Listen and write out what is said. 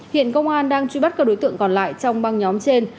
hiện công an đang truy bắt các đối tượng còn lại trong băng nhóm trên